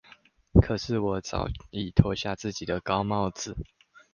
可是我早已脫下自己的高帽子